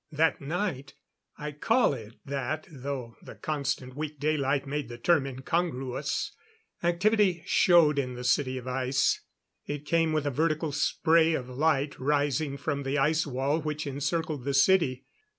That night I call it that though the constant weak daylight made the term incongruous activity showed in the City of Ice. It came with a vertical spray of light rising from the ice wall which encircled the city.